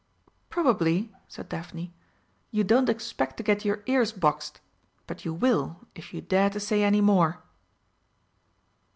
"Probably," said Daphne, "you don't expect to get your ears boxed but you will, if you dare to say any more."